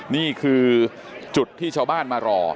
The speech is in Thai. นี่คือจุดที่ชาวบ้านมารอ